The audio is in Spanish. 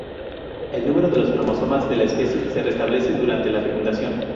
El número de cromosomas de la especie se restablece durante la fecundación.